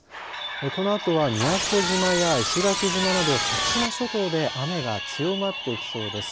このあとは宮古島や石垣島など先島諸島で雨が強まってきそうです。